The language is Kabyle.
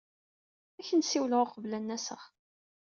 Ad ak-n-siwleɣ uqbel ad n-aseɣ.